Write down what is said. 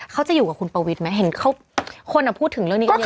เขาจะอยู่กับคุณปวิทย์ไหมเห็นเขาคนพูดถึงเรื่องนี้กันเยอะ